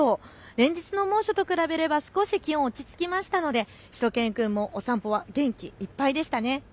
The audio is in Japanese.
連日の猛暑と比べれば少し気温、落ち着きましたのでしゅと犬くんもお散歩は元気いっぱいでしたね。